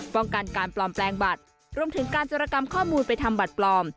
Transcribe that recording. ป้องกันการปลอมแปลงบัตรรวมถึงการจรกรรมข้อมูลไปทำบัตรปลอม